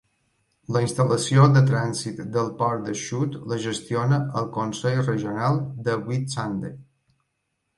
La instal·lació de Trànsit del Port de Shute la gestiona el Consell Regional de Whitsunday.